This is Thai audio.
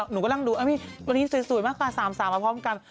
หนูก็นั่งดูพี่วันนี้สวยมากค่ะ๓๓มาพร้อมกัน